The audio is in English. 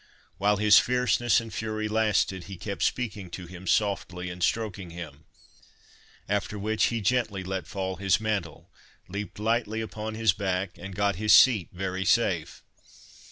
While his fierceness and fury lasted, he kept speaking to him softly and stroking him ; after which he gently let fall his mantle, leaped lightly upon his back, and got his seat very safe.